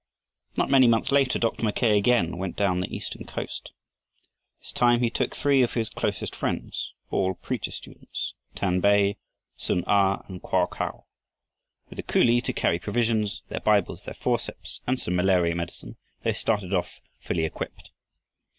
Not many months later Dr. Mackay again went down the eastern coast. This time he took three of his closest friends, all preacher students, Tan be, Sun a, and Koa Kau. With a coolie to carry provisions, their Bibles, their forceps, and some malaria medicine, they started off fully equipped.